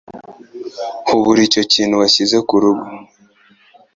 Hubura icyo kintu washyize kurugo